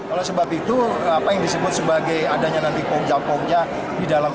oleh sebab itu apa yang disebut sebagai adanya nanti pom jom pomnya